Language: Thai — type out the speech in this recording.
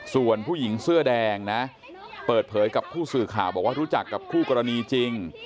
ส่วนผู้หญิงเสื้อแดงนะเปิดเผยกับผู้สื่อข่าวบอกว่ารู้จักกับคู่กรณีจริง